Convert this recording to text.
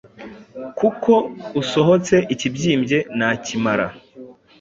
Kuko usohotse ikibyimbye nakimara